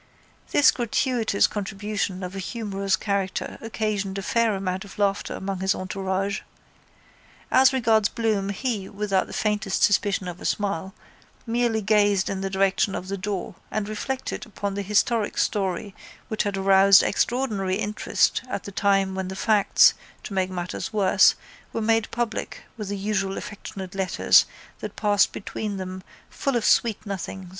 This gratuitous contribution of a humorous character occasioned a fair amount of laughter among his entourage. As regards Bloom he, without the faintest suspicion of a smile, merely gazed in the direction of the door and reflected upon the historic story which had aroused extraordinary interest at the time when the facts, to make matters worse, were made public with the usual affectionate letters that passed between them full of sweet nothings.